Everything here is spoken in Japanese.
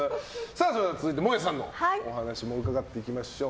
それでは続いて、もえさんのお話も伺っていきましょう。